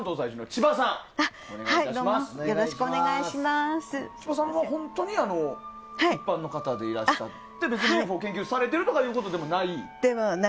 千葉さんは本当に一般の方でいらっしゃって別にＵＦＯを研究されてるとかでもない？